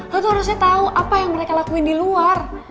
aku tuh harusnya tahu apa yang mereka lakuin di luar